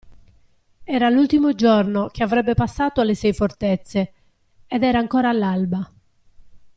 Era l'ultimo giorno che avrebbe passato alle Sei Fortezze, ed era ancora l'alba.